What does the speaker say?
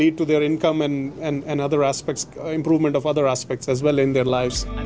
yang akan menyebabkan kembang dan peningkatan aspek lain dalam hidup mereka